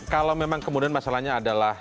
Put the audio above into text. jadi memang kemudian masalahnya adalah